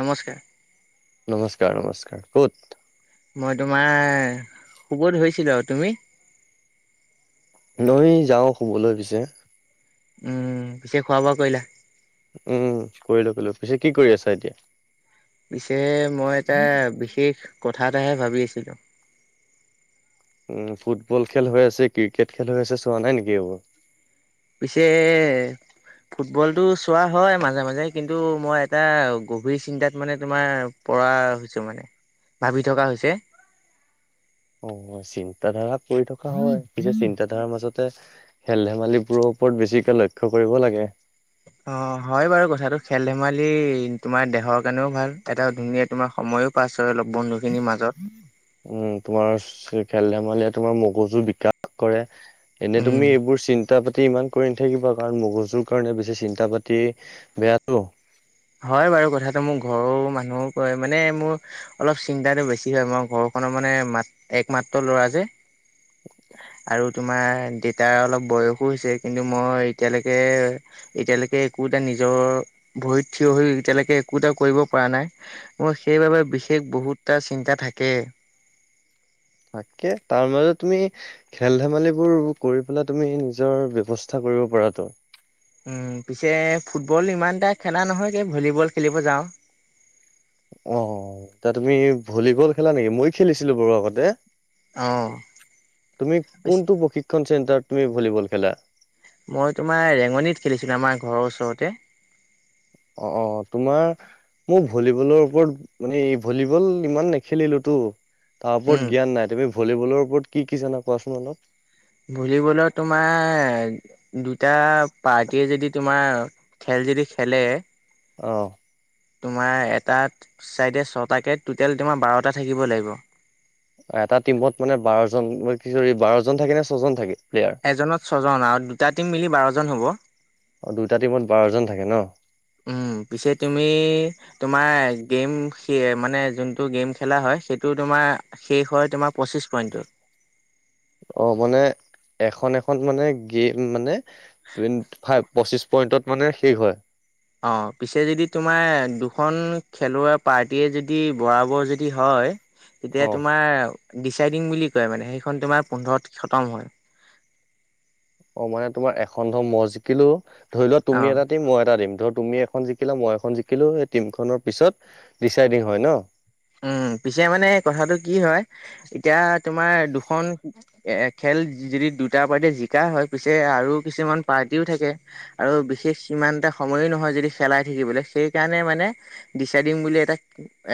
নমস্কাৰ নমস্কাৰ, নমস্কাৰ ক'ত? মই তোমাৰ শুধ ধৰিছিলোঁ আৰু, তুমি? নৈ যাওঁ শুবলৈ পিছে উম, পিছে খোৱা-বোৱা কৰিলা? উম, কৰিলো কৰিলো। পিছে কি কৰি আছা এতিয়া? পিছে মই এটা বিশেষ কথা এটাহে ভাবি আছিলো। উম, ফুটবল খেল হৈ আছে, ক্ৰিকেট খেল হৈ আছে, চোৱা নাই নেকি এইবোৰ? পিছে ফুটবলতটো চোৱা হয় মাজে মাজে। কিন্তু, মই এটা গভীৰ চিন্তাত মানে তোমাৰ পৰা হৈছে মানে, ভাবি থকা হৈছে। অ', চিন্তা ধাৰা পৰি থকা হয়। পিছে চিন্তা ধাৰাৰ মাজতে। খেল-ধেমালিবোৰৰ ওপৰত বেছিকে লক্ষ্য কৰিব লাগে। অ, হয় বাৰু কথাটো, খেল-ধেমালি তোমাৰ দেহৰ কাৰণেও ভাল, এটা ধুনীয়া তোমাৰ সময়ো পাছ হয়। অলপ বন্ধু উম, তোমাৰ খেল-ধেমালিয়ে তোমাৰ মগজু বিকাশ কৰে। এনে উম তুমি, এইবোৰ চিন চিন্তা পাতি ইমান কৰি নাথাকিবা, কাৰণ মগজুৰ কাৰণে বেছি চিন্তা পাতি বেয়াটো। হয় বাৰু কথাটো, মোক ঘৰৰ মানুহও কয় মানে মোৰ অলপ চিন্তাটো বেছি হয়, মই ঘৰখনৰ মানে মাত একমাত্ৰ ল'ৰা যে। আৰু তোমাৰ দেউতাৰ অলপ বয়সো হৈছে। কিন্তু মই এতিয়ালৈকে এতিয়ালৈকে, একো এটা নিজৰ ভৰিত থিয় হৈ এতিয়ালৈকে, একো এটা কৰিব পৰা নাই। মোৰ সেইবাবে বিশেষ বহুতটা চিন্তা থাকে। তাকে, তাৰ মাজত তুমি খেল-ধেমালিবোৰ কৰি পেলাই তুমি নিজৰ ব্যৱস্থা কৰিব পৰাটো। উম, পিছে ফুটবল ইমান এটা খেলা নহয় গে, ভলীবল খেলিব যাওঁ। অ', এয়া তুমি ভলীবল খেলা নেকি? মইও খেলিছিলো বাৰু আগতে। অ তুমি, কোনটো প্ৰশিক্ষণ চেণ্টাৰত তুমি ভলীবল খেলা। মই তোমাৰ ৰেঙনিত খেলিছিলোঁ, আমাৰ ঘৰৰ ওচৰতে। অ', অ', তোমাৰ মই ভলীবলৰ ওপৰত মানে, ভলীবল ইমান নেখেলিলোতো। তাৰ উম ওপৰত জ্ঞান নাই, তুমি ভলীবলৰ ওপৰত কি, কি জানা কোৱাচোন অলপ। ভলীবলত তোমাৰ দুটা পাৰ্টিয়ে, যদি তোমাৰ খেল যদি খেলে অ'। তোমাৰ এটাত ছাইডে ছয়টাকে, ট'টেল তোমাৰ বাৰটা থাকিব লাগিব। এটা টিমত মানে, বাৰজন কি সৰী বাৰজন থাকে নে ছয়জন থাকে প্লেয়াৰ? এজনত ছয়জন আৰু দুটা টিম মিলি বাৰজন হ'ব। দুটা টিমত বাৰজন থাকে ন। উম, পিছে তুমি তোমাৰ গেম শে মানে যোনটো গেম খেলা হয়, সেইটো তোমাৰ শেষ হয় তোমাৰ পঁচিছ পইণ্টত। অ', মানে এখন, এখন মানে গেম মানে টুৱেন্টি ফাইভ, পঁচিছ পইণ্টত মানে শেষ হয়। অ', পিছে যদি তোমাৰ দুখন খেলুৱৈ পাৰ্টীয়ে যদি, বৰাবৰ যদি হয় অ তেতিয়া তোমাৰ ডিচাইডিং বুলি কয় মানে, সেইখন তোমাৰ পোন্ধৰ খতম হয়। অ', মানে তোমাৰ এখন ধৰ মই জিকিলো, ধৰিলোৱা অ'। তুমি এটা টিম, মই এটা টিম ধৰ তুমি এখন জিকিলা, মই এখন জিকিলো, সেই টিম খনৰ পিছত ডিচাইডিং হয় ন। উম, পিছে মানে কথাটো কি হয়, এতিয়া তোমাৰ দুখন এ খেল যদি দুটা পাৰ্টি জিকা হয়, পিছে আৰু কিছুমান পাৰ্টিও থাকে। আৰু বিশেষ সিমানতে সময়ো নহয় যদি খেলাই থাকিবলৈ সেইকাৰণে মানে দিচাই দিম বুলি এটা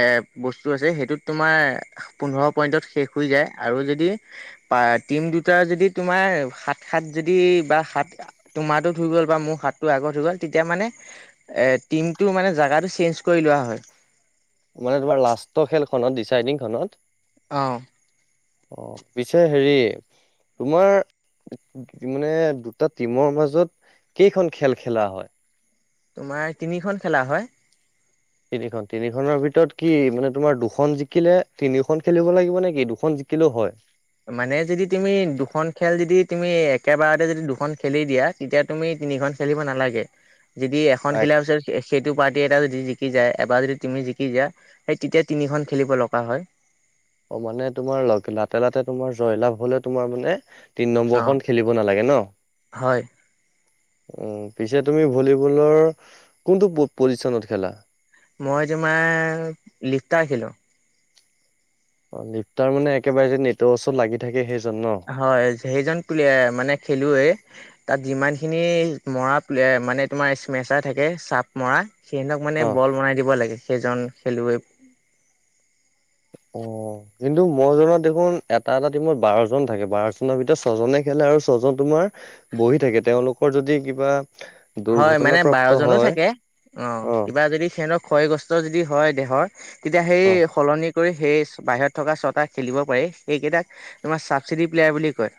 এ বস্তু আছে সেইটোত তোমাৰ পোন্ধৰ পইন্টত শেষ হৈ যায় আৰু যদি প টিম দুটাৰ যদি তোমাৰ সাত সাত যদি বা সাত তোমাৰো ধুই গ'ল বা মোৰ হাতটো আগত হৈই গ'ল তেতিয়া মানে এ টিমটো মানে জাগগাটো চেঞ্জ কৰি লোৱা হয় মানে তোমাৰ লাষ্টৰ খেলখনত ডিচাইডিং খনত অ অ পিছে হেৰি তোমাৰ মানে দুটা টিমৰ মাজত কেইখন খেল খেলা হয় তোমাৰ তিনিখন খেলা হয় তিনিখন তিনিখনৰ ভিতৰত কি মানে তোমাৰ দুখন জিকিলে তিনিওখন খেলিব লাগিব নেকি দুখন জিকিলেও হয় মানে যদি তুমি দুখন খেল যদি তুমি একেবাৰতে যদি দুখন খেলি দিয়া তেতিয়া তুমি তিনিখন খেলিব নালাগে যদি এখন এক খেলাচ সেইটো পাৰ্টি এটা যদি জিকি যায় এবাৰ যদি তুমি জিকি যা সেই তেতিয়া তিনিখন খেলিব লগা হয় অ মানে তোমাৰ লাতে লাতে তোমাৰ জয়লাভ হলে তোমাৰ মানে তিন অ নম্বৰখন খেলিব নালাগে ন হয় উ পিছে তুমি ভলীবলৰ কোনটো পজিশনত খেলা মই তোমাৰ লিফ্তা আখিলো অ লিপটাৰ মানে একেবাৰে যে নেটৱৰ্চো লাগি থাকে সেইজন ন হয় সেইজন প্লেয়াৰ মানে খেলৱেই তাত যিমান খিনি মৰা মানে তোমাৰ স্মেচা থাকে চাপ মৰা সিহঁতক মানে অ বল বনাই দিব লাগে সেইজন খেলুৱৈ অ কিন্তু মই জনত দেখোন এটা এটা টিমত বাৰজন থাকে বাৰজনৰ ভিতৰত ছজনে খেলে আৰু ছ জন তোমাৰ বহি থাকে তেওঁলোকৰ যদি কিবা হয় মানে দুৰ্ঘটনাপ্ৰাপ্ত বাৰজনো হয় থাকে অ কিবা যদি সিহঁতক ক্ষয়গ্ৰস্ত যদি হয় দেহৰ তেতিয়া অ সেই সলনি কৰি সেই বাহিৰত থকা ছটা খেলিব পাৰি সেইকেইটাক তোমাৰ ছাবচিডি প্লেয়াৰ বুলি কয়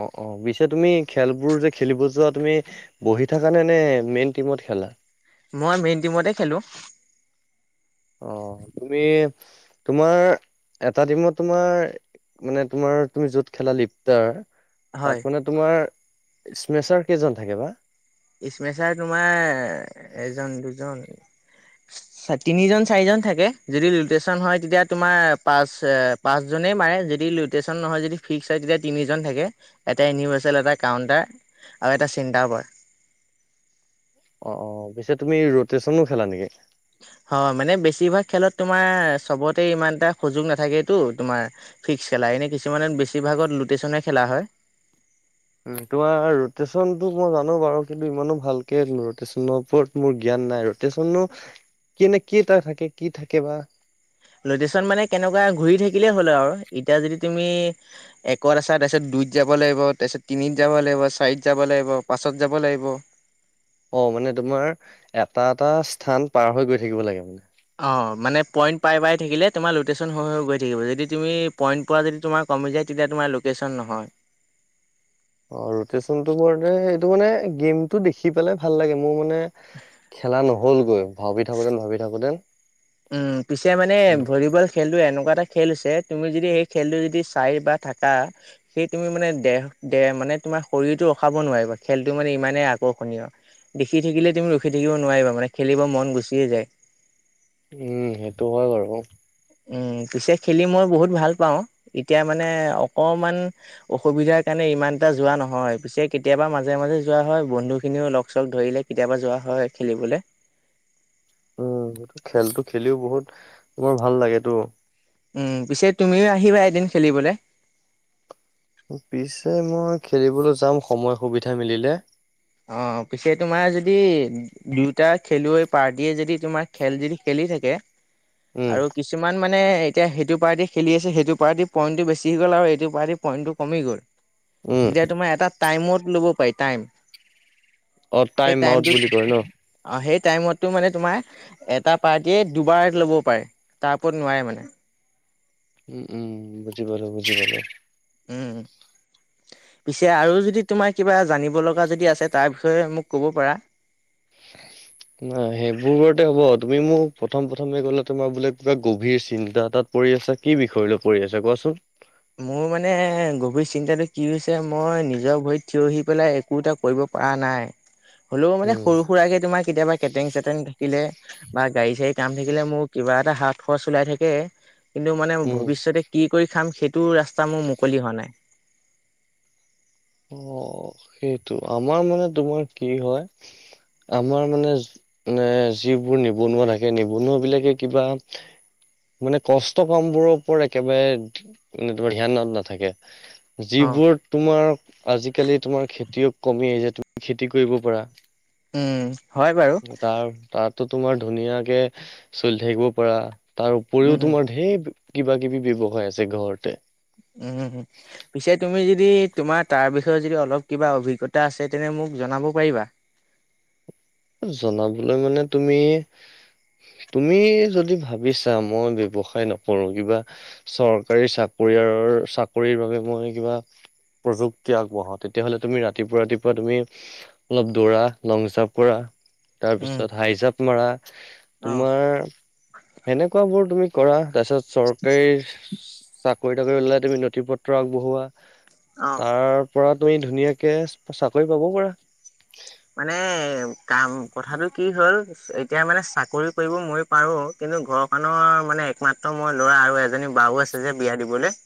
অ অ পিছে তুমি খেলবোৰ যে খেলিব যোৱা তুমি বহি থকা নে নে মেইন টিমত খেলা মই মেইন টিমতে খেলো অ তুমি তোমাৰ এটা দিনত তোমাৰ মানে তোমাৰ তুমি য'ত খেলা লিপটাৰ তাত হয় মানে তোমাৰ স্মেচাৰ কেইজন থাকে বা ইচ্মেচাৰ তোমাৰ এজন দুজন তিনিজন চাৰিজন থাকে যদি লুটেশ্যন হয় তেতিয়া তোমাৰ পাচ পাঁচজনেই মাৰে যদি লটেশ্যন নহয় যদি ফিক্স হয় তেতিয়া তিনিজন থাকে। এটা ইউনিভাৰ্চেল এটা কাউণ্টাৰ আৰু এটা চিন্তাবাৰ অ', অ', পিছে তুমি ৰটচনো খেলা নেকি হয় মানে বেছিভাগ খেলত তোমাৰ চবতে ইমান এটা সুযোগ নাথাকেতো তোমাৰ ফিক্স খেলা এনে কিছুমানে বেছি ভাগত লুটে চনে খেলা হয়। উ তোমাৰ ৰোটেশচন [unintelligible] মই জানো বাৰু কিন্তু ইমানো ভালকে ৰটেশচনৰ ওপৰত মোৰ জ্ঞান নাই ৰটেশচনো ক নে কটা থাকে কি থাকে। বা লটেশ্যন মানে কেনেকুৱা ঘূৰি থাকিলে হ'লো আৰু এতিয়া যদি তুমি একত আছা তাৰপিছত দুইত যাব লাগিব তাৰপিছত তিনিত যাব লাগিব চাৰিত যাব লাগিব পাঁচত যাব লাগিব। অ', মানে তোমাৰ এটা এটা স্থান পাৰ হৈ গৈ থাকিব লাগে মানে অ', মানে পইণ্ট পাই পাই থাকিলে তোমাৰ লটেশ্যন হৈ হৈ গৈ থাকিব যদি তুমি পইণ্ট প যদি তোমাক কমি যায় তেতিয়া তোমাৰ লোকেশ্যন নহয়। অ', ৰুটনটো এইটো মানে গেমতটো দেখি পেলে ভাল লাগে মোৰ মানে খেলা নহ'লগৈ, ভাবি থাকোতেন ভাবি থাকোতেন পিছে মানে ভলীবল খেলটো এনেকুৱা এটা খেল হৈছে, তুমি যদি সেই খেলটো যদি চাই বা থাকা সেই তুমি মানে দেহ দে মানে তোমাৰ শৰীৰটো ৰখাব নোৱাৰিবা, খেলটো মানে ইমানেই আকৰ্ষণীয়। দেখি থাকিলে তুমি ৰখি থাকিব নোৱাৰিবা মানে খেলিব মন গুচিয়ে যায়। উম সেইটো হয় বাৰু। উম', পিছে খেলি মই বহুত ভাল পাওঁ, এতিয়া মানে অকমান অসুবিধাৰ কাৰণে ইমান এটা যোৱা নহয়, পিছে কেতিয়াবা মাজে মাজে যোৱা হয় বন্ধু খিনিও লগ চগ ধৰিলে। কেতিয়াবা যোৱা হয় খেলিবলৈ। উম, খেলটো খেলিও বহুত, তোমাৰ ভাল লাগেতো। উম, পিছে তুমিও আহিবা এদিন খেলিবলৈ। পিছে মই খেলিবলৈ যাম সময় সুবিধা মিলিলে। অ', পিছে তোমাৰ যদি দুয়টা খেলুৱৈ পাৰ্টীয়ে যদি তোমাৰ খেল যদি খেলি থাকে, উম আৰু কিছুমান মানে এতিয়া সেইটো পাৰ্টি খেলি আছে, সেইটো পাৰ্টি পইণ্টটো বেছি গ'ল আৰু এইটো পাৰ্টি পইণ্টটো কমি গ'ল উম তেতিয়া তোমাৰ এটা টাইমত ল'ব পাৰি টাইম। অ সেই টাইম আউট টাইমটোত, বুলি কয় ন অ' সেই টাইমো মানে তোমাৰ এটা পাৰ্টিয়েই দুবাৰ ল'ব পাৰে, তাৰ ওপৰত নোৱাৰে মানে। উম, উম বুজি পালো বুজি পালো। উম। পিছে আৰু যদি তোমাৰ কিবা জানিব লগা যদি আছে তাৰ বিষয়ে মোক ক'ব পাৰা। [inaudible] নাই সেইবোৰতে হ'ব তুমি, মোক প্ৰথম প্ৰথমে গ'লে তোমাৰ বোলে কিবা গভীৰ চিন্তা তাত পৰি আছা, কি বিষয় লৈ পৰি আছে কোৱাচোন। মোৰ মানে গভীৰ চিন্তাটো কি হৈছে, মই নিজৰ ভৰিত থিয় আহি পেলাই কো তাক কৰিব পৰা নাই, হ'লেও মানে উম সৰু সুৰাকে তোমাৰ কেতিয়াবা কেটেং চেটেং থাকিলে বা গাড়ী চাড়ী কাম থাকিলে মোৰ কিবা এটা হাত খৰচ ওলাই থাকে। কিন্তু মানে উম ভৱিষ্যতে কি কৰি খাম সেইটো ৰাস্তা মোৰ মুকলি হোৱা নাই। অ', সেইটো আমাৰ মানে, তোমাৰ কি হয় আমাৰ মানে মানে যিবোৰ নিবনুৱা থাকে, নিবনুৱা বিলাকে কিবা মানে কষ্ট কাম বোৰৰ ওপৰত একেবাৰেে, তোমাৰ ধ্যান নাথাকে। অ', যিবোৰ তোমাৰ, আজিকালি তোমাৰ খেতিয়ক কমি আহিছোয় তুমি খেতি কৰিব পাৰা। উম হয় বাৰু তাৰ তাতো তোমাৰ ধুনীয়াকে চল থাকিব পাৰা। তাৰ উম উপৰিও তোমাৰ ঢেৰ, কিবা কিবি ব্যৱসায় আছে ঘৰতে। উম। পিছে তুমি যদি তোমাৰ তাৰ বিষয়ে যদি অলপ কিবা অভিজ্ঞতা আছে, তেনে মোক জনাব পাৰিবা। জনাবলৈ মানে তুমি তুমি যদি ভাবিছা মই ব্য্ৱসায় নকৰো কিবা চৰকাৰী চাকৰিয়াৰ চাকৰিৰ বাবে মই কিবা প্ৰযুক্তি আগবঢ়া তেতিয়াহ'লে তুমি ৰাতিপুৱা ৰাতিপুৱা, তুমি অলপ দৌৰা লং জাম কৰা তাৰ উম পিছত, হাইজাপ মৰা, অ। তোমাৰ সেনেকুৱা বোৰ তুমি কৰা তাৰ পিছত চৰকাৰী ত কৰি ওলাই তুমি নথি পত্ৰ আগবঢ়োৱা, অ। তাৰ পৰা তুমি ধুনীয়াকৈ চাকৰি পাব পাৰা। মানে কাম কথাটো কি হ'ল এতিয়া মানে চাকৰি কৰিব মই পাৰো কিন্তু ঘৰখনৰ মানে একমাত্ৰ মোৰ ল'ৰা আৰু এজনী বাও আছে যে বিয়া দিবলৈ।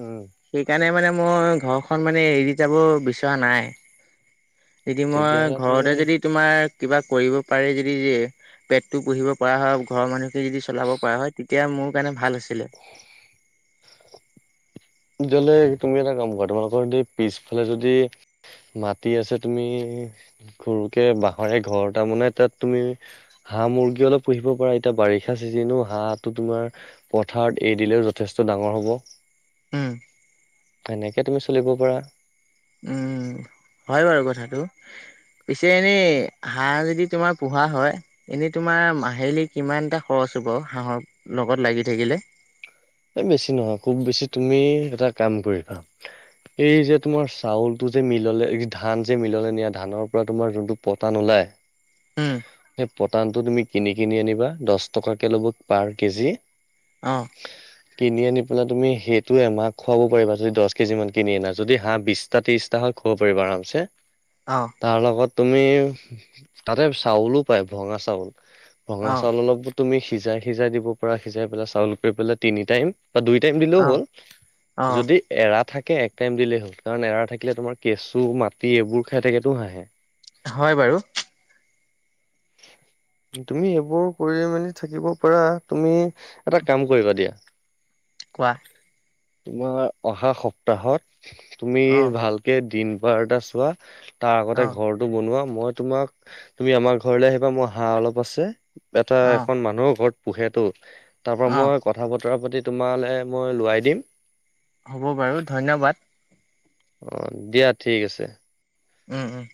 উম মানে মই ঘৰখন মানে এৰি যাব বিচৰা নাই। যদি মই তেতিয়াহ'লে তুমি ঘৰতে যদি তোমাৰ কিবা কৰিব পাৰি যদি যে পেটটো পুহিব পৰা হয় ঘৰৰ মানুহখে যদি চলাব পৰা হয় তেতিয়া মোৰ কাৰণে ভাল আছিল। তেতিয়া হলে তুমি এটা কাম কৰা তোমালোকৰ পিছফালে যদি মাটি আছে তুমি সৰুকে বাঁহৰে ঘৰ এটা বনাই তাত তুমি হাঁহ মুৰ্গী অলপ পুহিব পাৰা, এতিয়া বাৰিষা চিজনো, হাঁহো তোমাৰ পথাৰত এৰি দিলেও যথেষ্ট ডাঙৰ হ'ব। উম। তেনেকে তুমি চলিব পাৰা। উম, হয় বাৰু কথাটো। পিছে এনে হাঁহ যদি তোমাৰ পোহা হয় এনেই তোমাৰ মাহেলী কিমান এটা খৰচ হ'ব হাঁহৰ লগত লাগি থাকিলে? এই বেছি নহয়, খুব বেছি তুমি এটা কাম কৰিবা এই যে তোমাৰ চাউলটো যে মিললে ধান যে মিললে নিয়ে ধানৰপৰা তোমাৰ যোনটো পতা নোলায়? উম সেই পটানটো তুমি কিনি কিনি আনিবা, দহ টকাকে ল'ব পাৰ কেজি। অ'। কিনি আনি পেলাই তুমি সেইটো এমাহ খুৱাব পাৰিবা, যদি দহ কেজি মান কিনি আনা যদি হাঁহ বিছ টা ত্ৰিছটা হয় খুৱাব পাৰিবা আৰামছে। অ'। তাৰ লগত তুমি তাতে চাউলো পায়, ভঙা চাউল, ভঙা অ চাউল অলপ তুমি সিজাই সিজাই দিব পৰা, সিজাই পেলাই চাউল কৰি পেলাই তিনি টাইম বা দুই টাইম দিলেও অ হ'ল, অ যদি এৰা থাকে এক টাইম দিলেই হ'ল কাৰণ এৰা থাকিলে তোমাৰ কেঁচু, মাটি এইবোৰ খাই থাকেতো হাঁহে। হয় বাৰু। তুমি এইবোৰ কৰি মেলি থাকিব পাৰা, তুমি এটা কাম কৰিবা দিয়া কোৱা? তোমাৰ অহা সপ্তাহত তুমি অ ভাল কে দিন বাৰ এটা চোৱা, তাৰ আগতে অ ঘৰ টো বনোৱা মই তোমাক, তুমি আমাৰ ঘৰলে আহিবা, মোৰ হাঁহ অলপ আছে এটা অ এখন মানুহৰ ঘৰত পোহেতো তাৰপৰা অ মই ক কথা বতৰা পাতি তোমালে মই লোৱাই দিম। হ'ব বাৰু, ধন্যবাদ। অ' দিয়া ঠিক আছে। উম, উম।